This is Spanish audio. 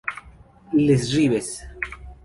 Les Rives